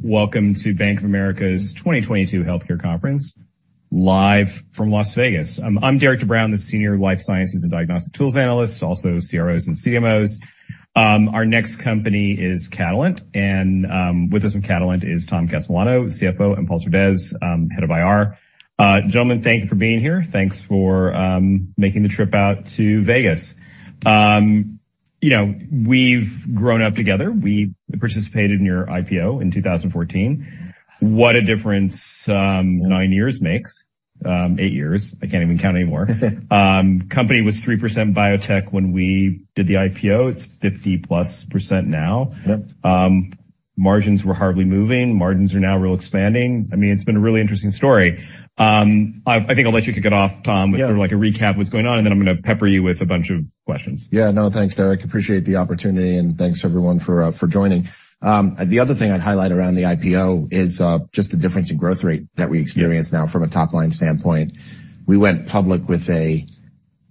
Welcome to Bank of America's 2022 healthcare conference, live from Las Vegas. I'm Derik de Bruin, the Senior Life Sciences and Diagnostic Tools Analyst, also CROs and CMOs. Our next company is Catalent, and with us from Catalent is Tom Castellano, CFO, and Paul Surdez, Head of IR. Gentlemen, thank you for being here. Thanks for making the trip out to Vegas. We've grown up together. We participated in your IPO in 2014. What a difference nine years makes, eight years. I can't even count anymore. The company was 3% biotech when we did the IPO. It's 50+% now. Margins were hardly moving. Margins are now real expanding. I mean, it's been a really interesting story. I think I'll let you kick it off, Tom, with a recap of what's going on, and then I'm going to pepper you with a bunch of questions. Yeah, no, thanks, Derik. Appreciate the opportunity, and thanks to everyone for joining. The other thing I'd highlight around the IPO is just the difference in growth rate that we experience now from a top-line standpoint. We went public with a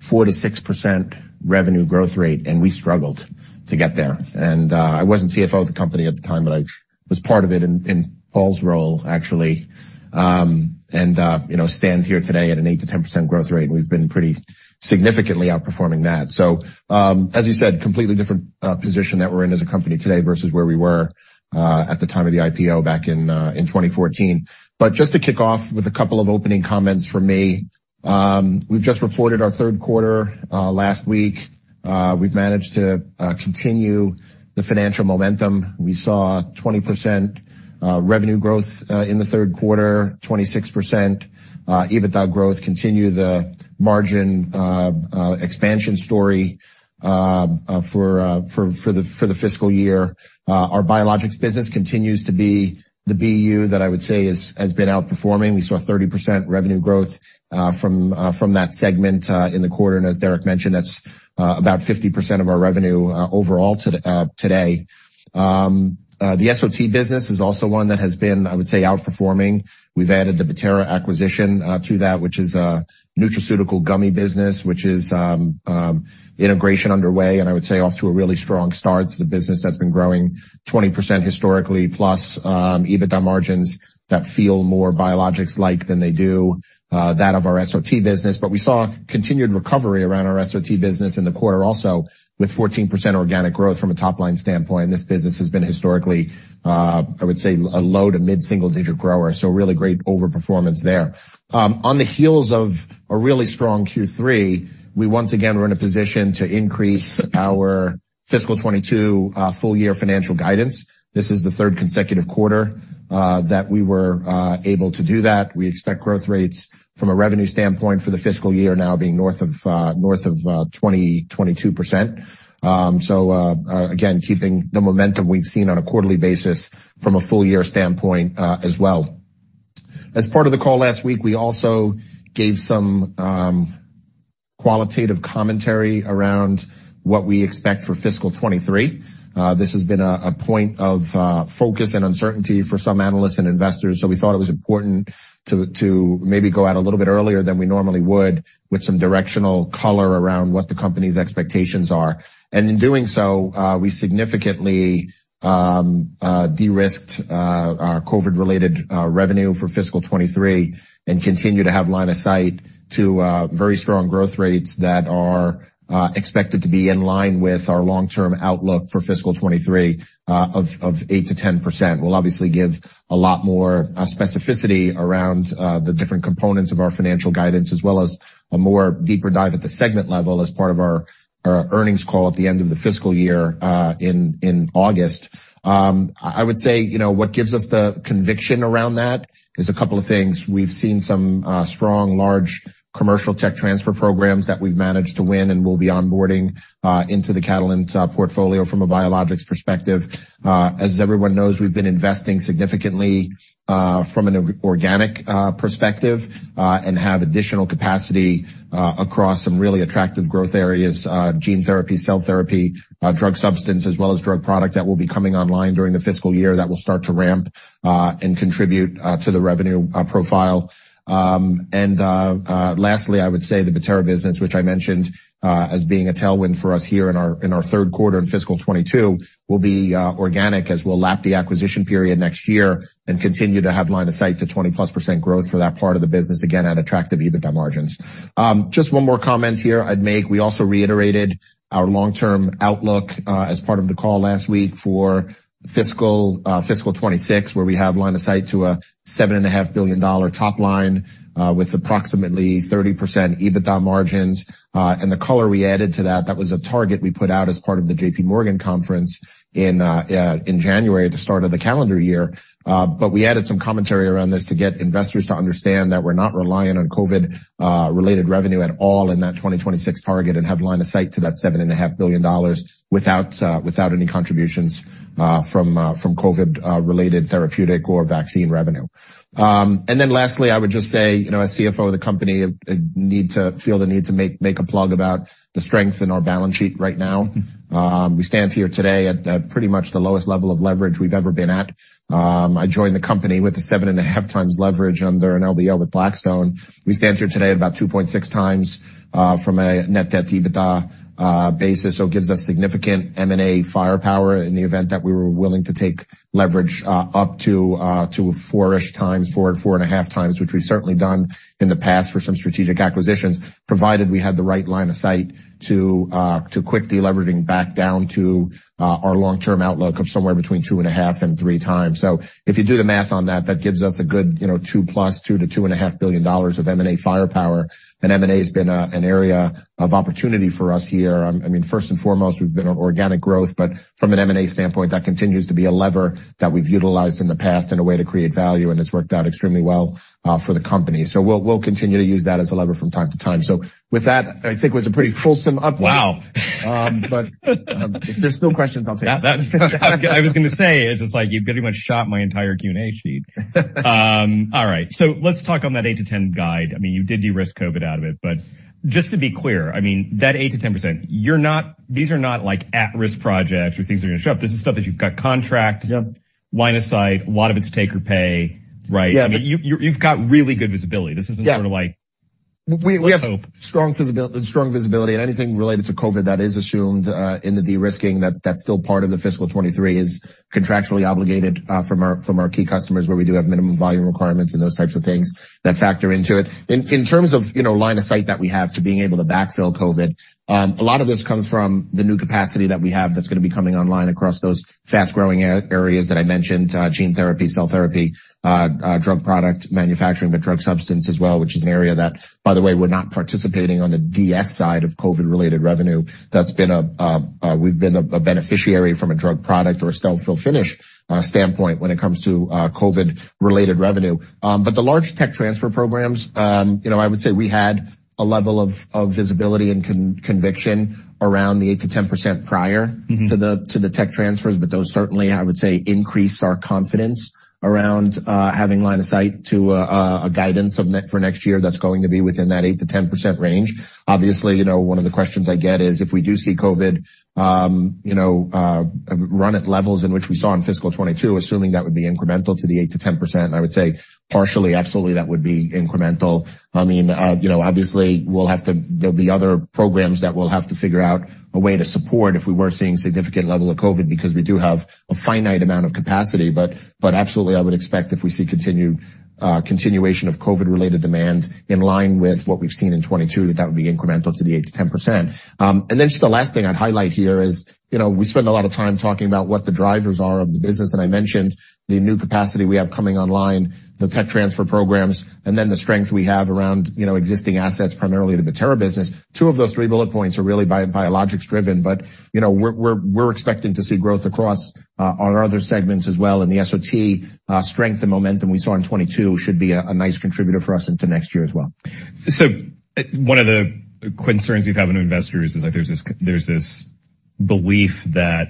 4%-6% revenue growth rate, and we struggled to get there, and I wasn't CFO of the company at the time, but I was part of it in Paul's role, actually, and stand here today at an 8%-10% growth rate. We've been pretty significantly outperforming that, so, as you said, completely different position that we're in as a company today versus where we were at the time of the IPO back in 2014, but just to kick off with a couple of opening comments from me, we've just reported our third quarter last week. We've managed to continue the financial momentum. We saw 20% revenue growth in the third quarter, 26% EBITDA growth, continue the margin expansion story for the fiscal year. Our biologics business continues to be the BU that I would say has been outperforming. We saw 30% revenue growth from that segment in the quarter. And as Derik mentioned, that's about 50% of our revenue overall today. The SOT business is also one that has been, I would say, outperforming. We've added the Bettera acquisition to that, which is a nutraceutical gummy business, which is integration underway, and I would say off to a really strong start. It's a business that's been growing 20% historically, plus EBITDA margins that feel more biologics-like than they do that of our SOT business. But we saw continued recovery around our SOT business in the quarter also, with 14% organic growth from a top-line standpoint. This business has been historically, I would say, a low to mid-single-digit grower, so really great overperformance there. On the heels of a really strong Q3, we once again were in a position to increase our fiscal 2022 full-year financial guidance. This is the third consecutive quarter that we were able to do that. We expect growth rates from a revenue standpoint for the fiscal year now being north of 20%-22%. So, again, keeping the momentum we've seen on a quarterly basis from a full-year standpoint as well. As part of the call last week, we also gave some qualitative commentary around what we expect for fiscal 2023. This has been a point of focus and uncertainty for some analysts and investors, so we thought it was important to maybe go out a little bit earlier than we normally would with some directional color around what the company's expectations are. And in doing so, we significantly de-risked our COVID-related revenue for fiscal 2023 and continue to have line of sight to very strong growth rates that are expected to be in line with our long-term outlook for fiscal 2023 of 8%-10%. We'll obviously give a lot more specificity around the different components of our financial guidance, as well as a more deeper dive at the segment level as part of our earnings call at the end of the fiscal year in August. I would say what gives us the conviction around that is a couple of things. We've seen some strong, large commercial tech transfer programs that we've managed to win and will be onboarding into the Catalent portfolio from a biologics perspective. As everyone knows, we've been investing significantly from an organic perspective and have additional capacity across some really attractive growth areas: gene therapy, cell therapy, drug substance, as well as drug product that will be coming online during the fiscal year that will start to ramp and contribute to the revenue profile. And lastly, I would say the Bettera business, which I mentioned as being a tailwind for us here in our third quarter in fiscal 2022, will be organic as we'll lap the acquisition period next year and continue to have line of sight to 20+% growth for that part of the business again at attractive EBITDA margins. Just one more comment here I'd make. We also reiterated our long-term outlook as part of the call last week for fiscal 2026, where we have line of sight to a $7.5 billion top line with approximately 30% EBITDA margins. And the color we added to that, that was a target we put out as part of the JPMorgan Conference in January at the start of the calendar year. But we added some commentary around this to get investors to understand that we're not reliant on COVID-related revenue at all in that 2026 target and have line of sight to that $7.5 billion without any contributions from COVID-related therapeutic or vaccine revenue. And then lastly, I would just say, as CFO of the company, I feel the need to make a plug about the strength in our balance sheet right now. We stand here today at pretty much the lowest level of leverage we've ever been at. I joined the company with a 7.5x leverage under an LBO with Blackstone. We stand here today at about 2.6x from a net debt to EBITDA basis, so it gives us significant M&A firepower in the event that we were willing to take leverage up to 4-ishx, 4 and 4.5x, which we've certainly done in the past for some strategic acquisitions, provided we had the right line of sight to quickly leveraging back down to our long-term outlook of somewhere between 2.5 and 3x. So if you do the math on that, that gives us a good 2+, $2-$2.5 billion of M&A firepower. And M&A has been an area of opportunity for us here. I mean, first and foremost, we've been on organic growth, but from an M&A standpoint, that continues to be a lever that we've utilized in the past in a way to create value, and it's worked out extremely well for the company. So we'll continue to use that as a lever from time to time. So with that, I think it was a pretty fulsome update. Wow. But if there's still questions, I'll take them. I was going to say, it's just like you pretty much shot my entire Q&A sheet. All right. So let's talk on that 8%-10% guide. I mean, you did de-risk COVID out of it, but just to be clear, I mean, that 8%-10%, these are not at-risk projects or things that are going to show up. This is stuff that you've got contract line of sight. A lot of it's take or pay, right? I mean, you've got really good visibility. This isn't sort of like let's hope. We have strong visibility, and anything related to COVID that is assumed in the de-risking, that's still part of the fiscal 2023, is contractually obligated from our key customers where we do have minimum volume requirements and those types of things that factor into it. In terms of line of sight that we have to being able to backfill COVID, a lot of this comes from the new capacity that we have that's going to be coming online across those fast-growing areas that I mentioned: gene therapy, cell therapy, drug product manufacturing, but drug substance as well, which is an area that, by the way, we're not participating on the DS side of COVID-related revenue. We've been a beneficiary from a drug product or a sterile fill-finish standpoint when it comes to COVID-related revenue. But the large tech transfer programs, I would say we had a level of visibility and conviction around the 8%-10% prior to the tech transfers, but those certainly, I would say, increase our confidence around having line of sight to a guidance for next year that's going to be within that 8%-10% range. Obviously, one of the questions I get is if we do see COVID run at levels in which we saw in fiscal 2022, assuming that would be incremental to the 8%-10%, I would say partially, absolutely, that would be incremental. I mean, obviously, there'll be other programs that we'll have to figure out a way to support if we were seeing a significant level of COVID because we do have a finite amount of capacity. But absolutely, I would expect if we see continuation of COVID-related demand in line with what we've seen in 2022, that that would be incremental to the 8%-10%. And then just the last thing I'd highlight here is we spend a lot of time talking about what the drivers are of the business. And I mentioned the new capacity we have coming online, the tech transfer programs, and then the strength we have around existing assets, primarily the Bettera business. Two of those three bullet points are really biologics-driven, but we're expecting to see growth across our other segments as well. And the SOT strength and momentum we saw in 2022 should be a nice contributor for us into next year as well. So one of the concerns we've had with investors is there's this belief that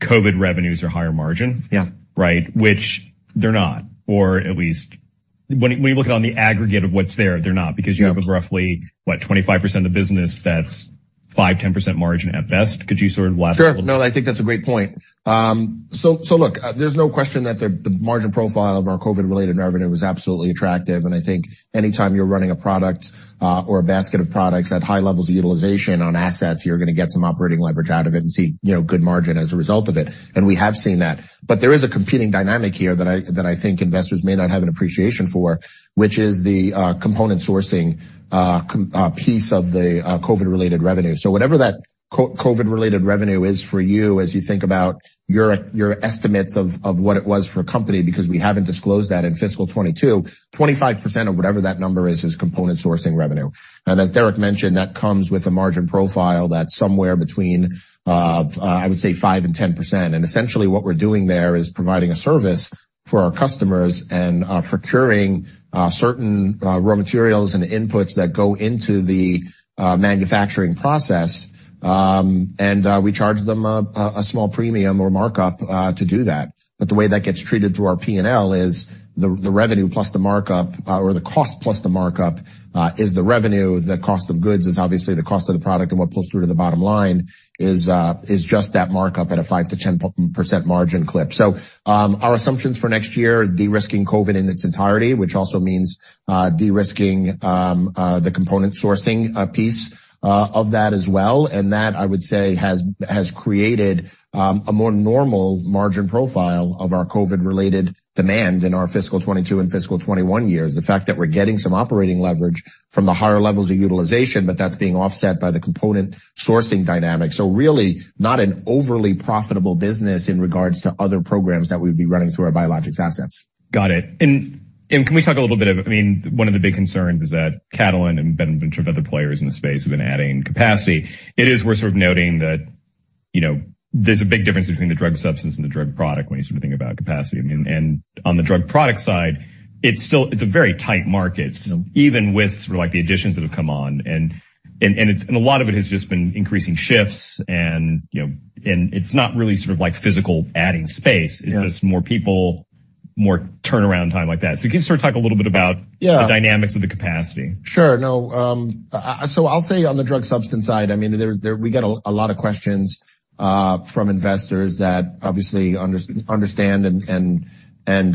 COVID revenues are higher margin, right, which they're not, or at least when you look at it on the aggregate of what's there, they're not because you have roughly, what, 25% of the business that's 5%-10% margin at best. Could you sort of lasso that? Sure. No, I think that's a great point. So look, there's no question that the margin profile of our COVID-related revenue is absolutely attractive. And I think anytime you're running a product or a basket of products at high levels of utilization on assets, you're going to get some operating leverage out of it and see good margin as a result of it. And we have seen that. But there is a competing dynamic here that I think investors may not have an appreciation for, which is the component sourcing piece of the COVID-related revenue. So whatever that COVID-related revenue is for you, as you think about your estimates of what it was for a company, because we haven't disclosed that in fiscal 2022, 25% of whatever that number is is component sourcing revenue. And as Derik mentioned, that comes with a margin profile that's somewhere between, I would say, 5% and 10%. And essentially, what we're doing there is providing a service for our customers and procuring certain raw materials and inputs that go into the manufacturing process. And we charge them a small premium or markup to do that. But the way that gets treated through our P&L is the revenue plus the markup or the cost plus the markup is the revenue. The cost of goods is obviously the cost of the product, and what pulls through to the bottom line is just that markup at a 5%-10% margin clip. So our assumptions for next year, de-risking COVID in its entirety, which also means de-risking the component sourcing piece of that as well. And that, I would say, has created a more normal margin profile of our COVID-related demand in our fiscal 2022 and fiscal 2021 years. The fact that we're getting some operating leverage from the higher levels of utilization, but that's being offset by the component sourcing dynamic. So really not an overly profitable business in regards to other programs that we would be running through our biologics assets. Got it. And can we talk a little bit of, I mean, one of the big concerns is that Catalent and a bunch of other players in the space have been adding capacity. It is worth sort of noting that there's a big difference between the drug substance and the drug product when you sort of think about capacity. And on the drug product side, it's a very tight market, even with sort of the additions that have come on. And a lot of it has just been increasing shifts, and it's not really sort of like physical adding space. It's just more people, more turnaround time like that. So can you sort of talk a little bit about the dynamics of the capacity? Sure. No. So I'll say on the drug substance side, I mean, we get a lot of questions from investors that obviously understand and research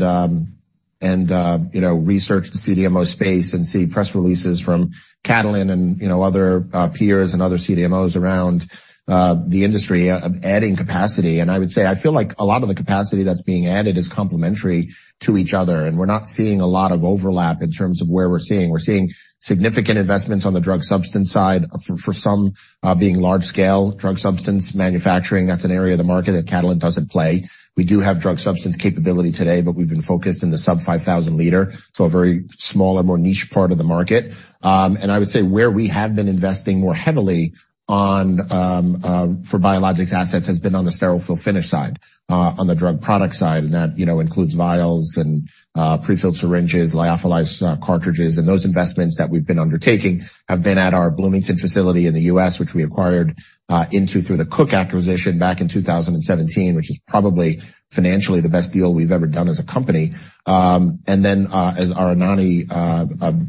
the CDMO space and see press releases from Catalent and other peers and other CDMOs around the industry of adding capacity. And I would say I feel like a lot of the capacity that's being added is complementary to each other. And we're not seeing a lot of overlap in terms of where we're seeing. We're seeing significant investments on the drug substance side for some being large-scale drug substance manufacturing. That's an area of the market that Catalent doesn't play. We do have drug substance capability today, but we've been focused in the sub-5,000 L, so a very small, more niche part of the market. I would say where we have been investing more heavily for biologics assets has been on the sterile fill-finish side on the drug product side. And that includes vials and prefilled syringes, lyophilized cartridges. And those investments that we've been undertaking have been at our Bloomington facility in the U.S., which we acquired into through the Cook acquisition back in 2017, which is probably financially the best deal we've ever done as a company. And then as our Anagni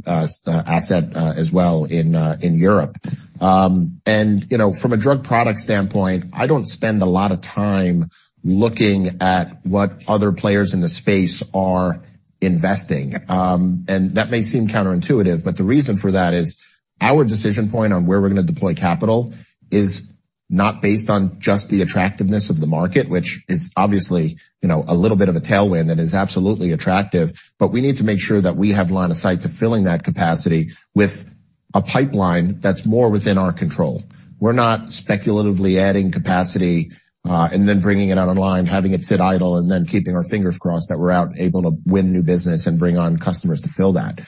asset as well in Europe. And from a drug product standpoint, I don't spend a lot of time looking at what other players in the space are investing. That may seem counterintuitive, but the reason for that is our decision point on where we're going to deploy capital is not based on just the attractiveness of the market, which is obviously a little bit of a tailwind that is absolutely attractive. But we need to make sure that we have line of sight to filling that capacity with a pipeline that's more within our control. We're not speculatively adding capacity and then bringing it online, having it sit idle, and then keeping our fingers crossed that we're able to win new business and bring on customers to fill that.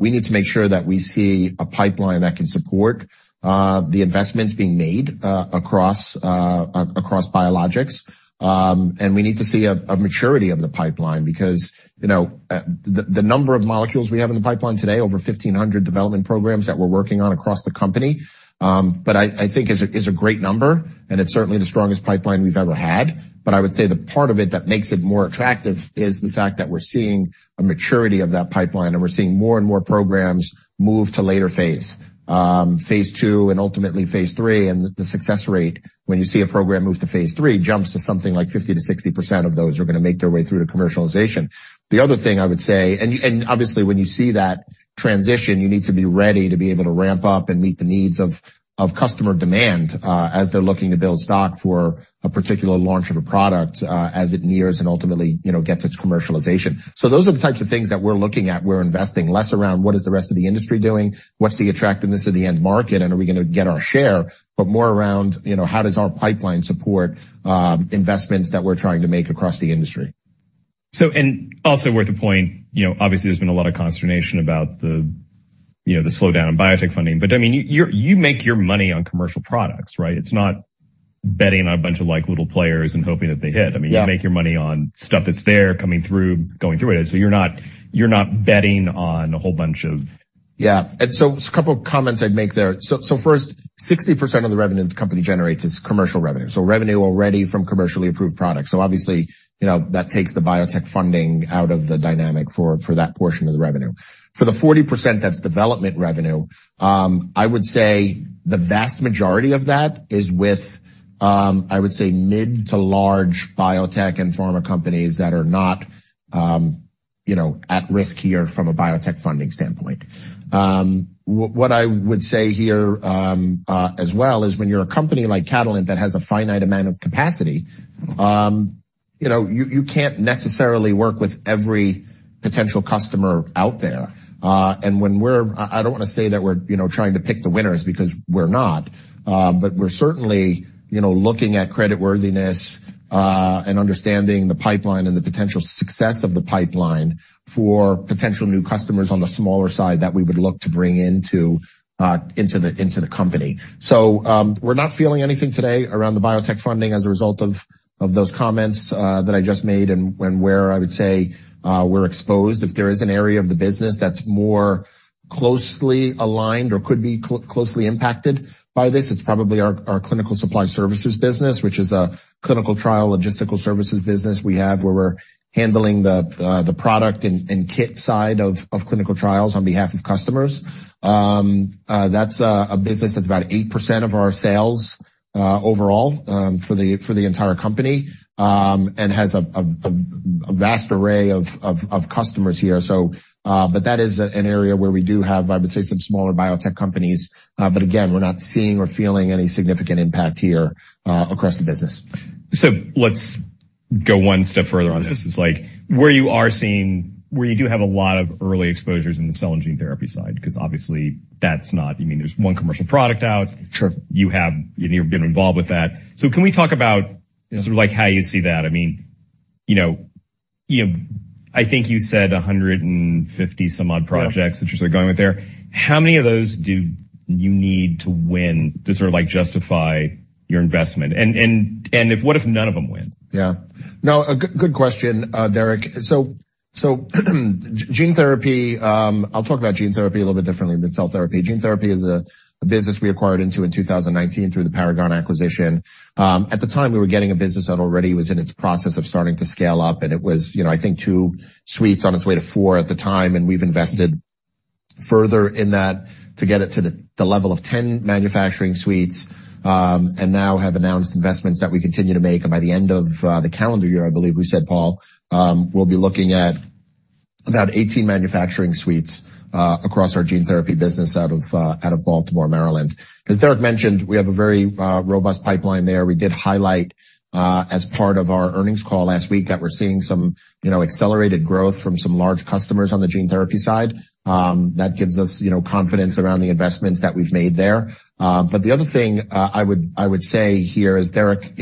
We need to make sure that we see a pipeline that can support the investments being made across biologics. We need to see a maturity of the pipeline because the number of molecules we have in the pipeline today, over 1,500 development programs that we're working on across the company, but I think is a great number. It's certainly the strongest pipeline we've ever had. I would say the part of it that makes it more attractive is the fact that we're seeing a maturity of that pipeline, and we're seeing more and more programs move to later phase, phase two, and ultimately phase three. The success rate, when you see a program move to phase three, jumps to something like 50%-60% of those are going to make their way through to commercialization. The other thing I would say, and obviously, when you see that transition, you need to be ready to be able to ramp up and meet the needs of customer demand as they're looking to build stock for a particular launch of a product as it nears and ultimately gets its commercialization. So those are the types of things that we're looking at. We're investing less around what is the rest of the industry doing, what's the attractiveness of the end market, and are we going to get our share, but more around how does our pipeline support investments that we're trying to make across the industry. And also worth a point, obviously. There's been a lot of consternation about the slowdown in biotech funding. But I mean, you make your money on commercial products, right? It's not betting on a bunch of little players and hoping that they hit. I mean, you make your money on stuff that's there coming through, going through it. So you're not betting on a whole bunch of. Yeah. And so a couple of comments I'd make there. So first, 60% of the revenue the company generates is commercial revenue, so revenue already from commercially approved products. So obviously, that takes the biotech funding out of the dynamic for that portion of the revenue. For the 40% that's development revenue, I would say the vast majority of that is with, I would say, mid- to large biotech and pharma companies that are not at risk here from a biotech funding standpoint. What I would say here as well is when you're a company like Catalent that has a finite amount of capacity, you can't necessarily work with every potential customer out there. I don't want to say that we're trying to pick the winners because we're not, but we're certainly looking at creditworthiness and understanding the pipeline and the potential success of the pipeline for potential new customers on the smaller side that we would look to bring into the company, so we're not feeling anything today around the biotech funding as a result of those comments that I just made and where I would say we're exposed. If there is an area of the business that's more closely aligned or could be closely impacted by this, it's probably our Clinical Supply Services business, which is a clinical trial logistical services business we have where we're handling the product and kit side of clinical trials on behalf of customers. That's a business that's about 8% of our sales overall for the entire company and has a vast array of customers here. But that is an area where we do have, I would say, some smaller biotech companies. But again, we're not seeing or feeling any significant impact here across the business. So let's go one step further on this. It's like where you are seeing where you do have a lot of early exposures in the cell and gene therapy side because obviously that's not, I mean, there's one commercial product out. You've been involved with that. So can we talk about sort of how you see that? I mean, I think you said 150-some-odd projects that you're sort of going with there. How many of those do you need to win to sort of justify your investment? And what if none of them win? Yeah. No, good question, Derik, so gene therapy. I'll talk about gene therapy a little bit differently than cell therapy. Gene therapy is a business we acquired into in 2019 through the Paragon acquisition. At the time, we were getting a business that already was in its process of starting to scale up, and it was, I think, two suites on its way to four at the time, and we've invested further in that to get it to the level of 10 manufacturing suites and now have announced investments that we continue to make, and by the end of the calendar year, I believe we said, Paul, we'll be looking at about 18 manufacturing suites across our gene therapy business out of Baltimore, Maryland. As Derik mentioned, we have a very robust pipeline there. We did highlight as part of our earnings call last week that we're seeing some accelerated growth from some large customers on the gene therapy side. That gives us confidence around the investments that we've made there. But the other thing I would say here is Derik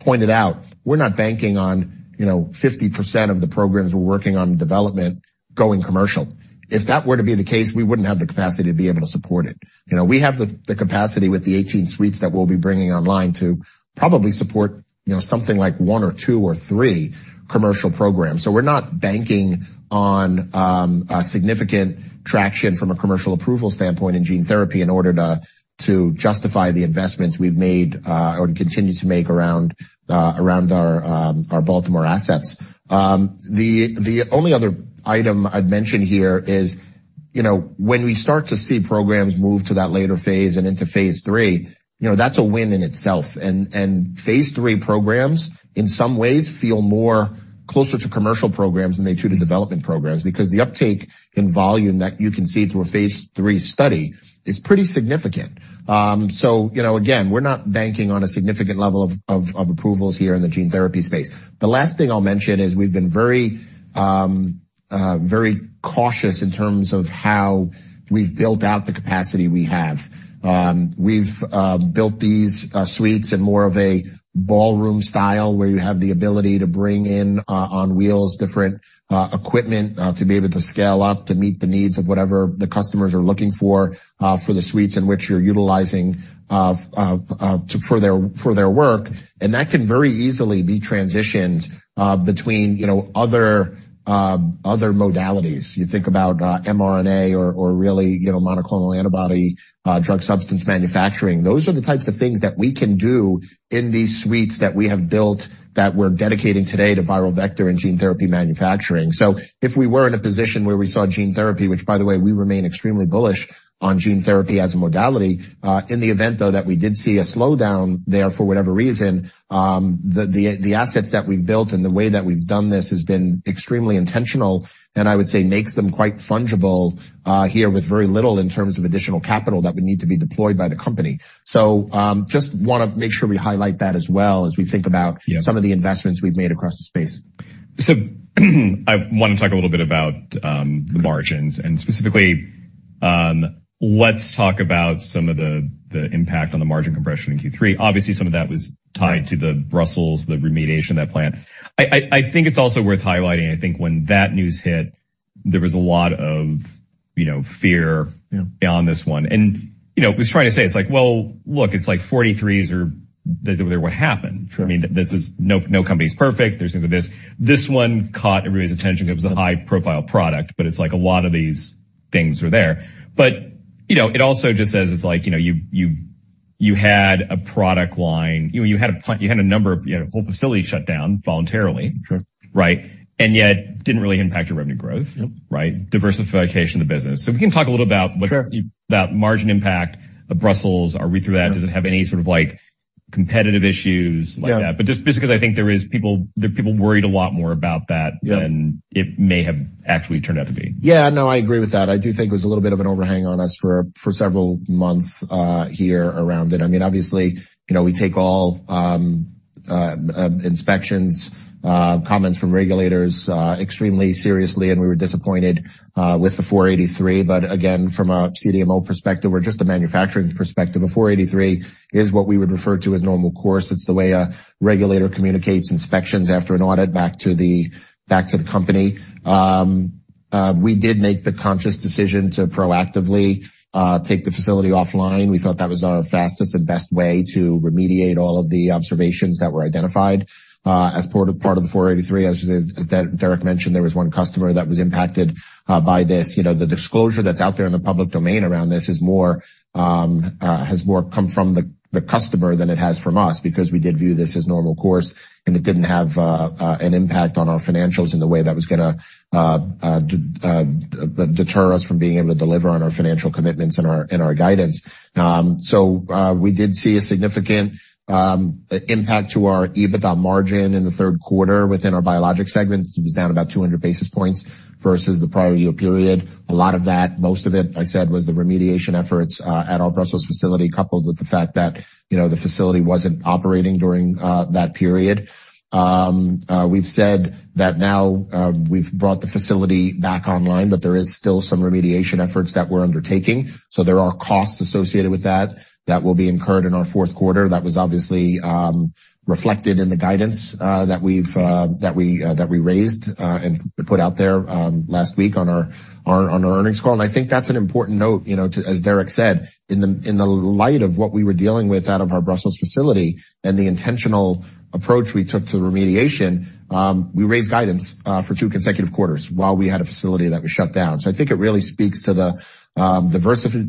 pointed out, we're not banking on 50% of the programs we're working on development going commercial. If that were to be the case, we wouldn't have the capacity to be able to support it. We have the capacity with the 18 suites that we'll be bringing online to probably support something like one or two or three commercial programs. So we're not banking on significant traction from a commercial approval standpoint in gene therapy in order to justify the investments we've made or continue to make around our Baltimore assets. The only other item I'd mention here is when we start to see programs move to that later phase and into phase three, that's a win in itself. And phase three programs in some ways feel closer to commercial programs than they do to development programs because the uptake in volume that you can see through a phase three study is pretty significant. So again, we're not banking on a significant level of approvals here in the gene therapy space. The last thing I'll mention is we've been very cautious in terms of how we've built out the capacity we have. We've built these suites in more of a ballroom style where you have the ability to bring in on wheels different equipment to be able to scale up to meet the needs of whatever the customers are looking for the suites in which you're utilizing for their work. And that can very easily be transitioned between other modalities. You think about mRNA or really monoclonal antibody drug substance manufacturing. Those are the types of things that we can do in these suites that we have built that we're dedicating today to viral vector and gene therapy manufacturing. So if we were in a position where we saw gene therapy, which by the way, we remain extremely bullish on gene therapy as a modality, in the event, though, that we did see a slowdown there for whatever reason, the assets that we've built and the way that we've done this has been extremely intentional and I would say makes them quite fungible here with very little in terms of additional capital that would need to be deployed by the company. So, just want to make sure we highlight that as well as we think about some of the investments we've made across the space. So I want to talk a little bit about the margins. And specifically, let's talk about some of the impact on the margin compression in Q3. Obviously, some of that was tied to the Brussels, the remediation of that plant. I think it's also worth highlighting. I think when that news hit, there was a lot of fear beyond this one. And I was trying to say, it's like, well, look, it's like 483s are what happened. I mean, no company is perfect. There's things like this. This one caught everybody's attention. It was a high-profile product, but it's like a lot of these things are there. But it also just says it's like you had a product line. You had a number of whole facilities shut down voluntarily, right? And yet didn't really impact your revenue growth, right? Diversification of the business. So we can talk a little about margin impact of Brussels. Are we through that? Does it have any sort of competitive issues like that? But just because I think there are people worried a lot more about that than it may have actually turned out to be. Yeah. No, I agree with that. I do think it was a little bit of an overhang on us for several months here around it. I mean, obviously, we take all inspections, comments from regulators extremely seriously, and we were disappointed with the 483, but again, from a CDMO perspective or just a manufacturing perspective, a 483 is what we would refer to as normal course. It's the way a regulator communicates inspections after an audit back to the company. We did make the conscious decision to proactively take the facility offline. We thought that was our fastest and best way to remediate all of the observations that were identified as part of the 483. As Derik mentioned, there was one customer that was impacted by this. The disclosure that's out there in the public domain around this has more come from the customer than it has from us because we did view this as normal course, and it didn't have an impact on our financials in the way that was going to deter us from being able to deliver on our financial commitments and our guidance. We did see a significant impact to our EBITDA margin in the third quarter within our Biologics segment. It was down about 200 basis points versus the prior year period. A lot of that, most of it, I said, was the remediation efforts at our Brussels facility coupled with the fact that the facility wasn't operating during that period. We've said that now we've brought the facility back online, but there are still some remediation efforts that we're undertaking. So there are costs associated with that that will be incurred in our fourth quarter. That was obviously reflected in the guidance that we raised and put out there last week on our earnings call. And I think that's an important note, as Derik said, in the light of what we were dealing with out of our Brussels facility and the intentional approach we took to remediation. We raised guidance for two consecutive quarters while we had a facility that was shut down. So I think it really speaks to the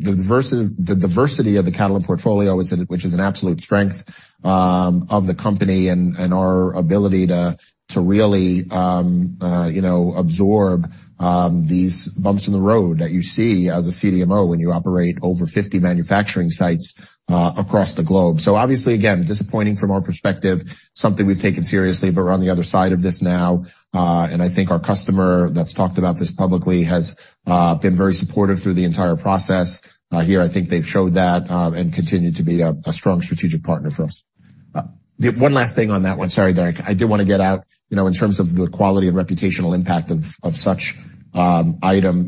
diversity of the Catalent portfolio, which is an absolute strength of the company and our ability to really absorb these bumps in the road that you see as a CDMO when you operate over 50 manufacturing sites across the globe. So obviously, again, disappointing from our perspective, something we've taken seriously, but we're on the other side of this now. And I think our customer that's talked about this publicly has been very supportive through the entire process here. I think they've showed that and continue to be a strong strategic partner for us. One last thing on that one. Sorry, Derik. I did want to get out in terms of the quality and reputational impact of such item.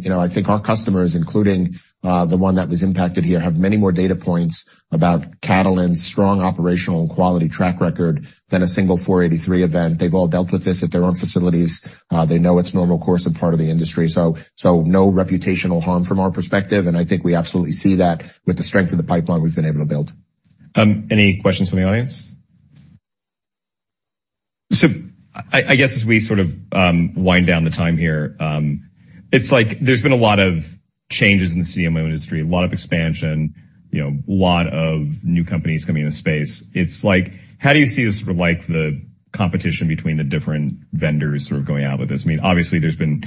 I think our customers, including the one that was impacted here, have many more data points about Catalent's strong operational and quality track record than a single 483 event. They've all dealt with this at their own facilities. They know it's normal course and part of the industry. So no reputational harm from our perspective. I think we absolutely see that with the strength of the pipeline we've been able to build. Any questions from the audience? So I guess as we sort of wind down the time here, it's like there's been a lot of changes in the CDMO industry, a lot of expansion, a lot of new companies coming in the space. It's like, how do you see this sort of like the competition between the different vendors sort of going out with this? I mean, obviously, there's been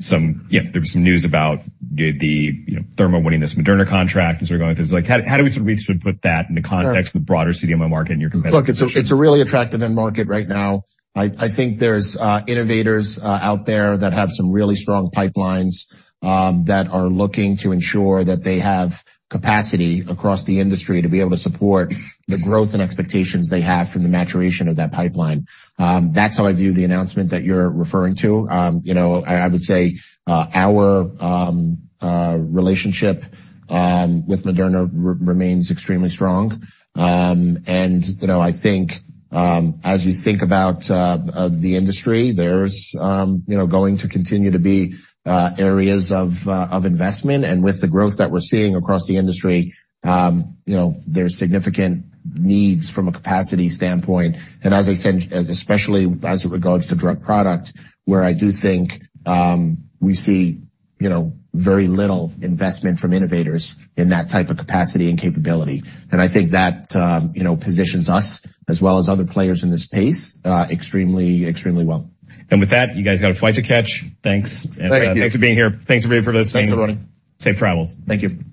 some news about the Thermo winning this Moderna contract and sort of going through. It's like, how do we sort of put that in the context of the broader CDMO market and your competitors? Look, it's a really attractive end market right now. I think there's innovators out there that have some really strong pipelines that are looking to ensure that they have capacity across the industry to be able to support the growth and expectations they have from the maturation of that pipeline. That's how I view the announcement that you're referring to. I would say our relationship with Moderna remains extremely strong. And I think as you think about the industry, there's going to continue to be areas of investment. And with the growth that we're seeing across the industry, there's significant needs from a capacity standpoint. And as I said, especially as it regards to drug products, where I do think we see very little investment from innovators in that type of capacity and capability. And I think that positions us as well as other players in this space extremely well. With that, you guys got a flight to catch. Thanks. Thanks for being here. Thanks for being for this thing. Thanks for running. Safe travels. Thank you.